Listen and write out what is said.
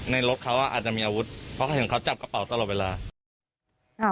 รถเขาอาจจะมีอาวุธเพราะเขาเห็นเขาจับกระเป๋าตลอดเวลา